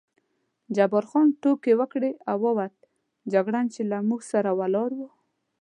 جبار خان ټوکې وکړې او ووت، جګړن چې له موږ سره ولاړ و.